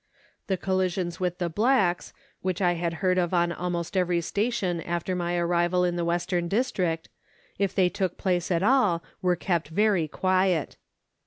The collisions with the blacks, which I had heard of on almost every station after my arrival in the Western District, if they took place at all, were kept very quiet.